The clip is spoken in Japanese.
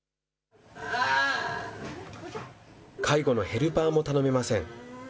介護のヘルパーも頼めません。